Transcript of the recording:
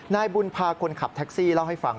นายบุญพาคนขับแท็กซี่เล่าให้ฟัง